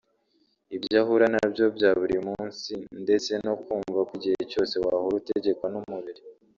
ibyo ahura nabyo bya buri munsi ndetse no kumva ko igihe cyose wahora utegekwa n’umubiri